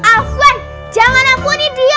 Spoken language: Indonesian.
aflan jangan ampuni dia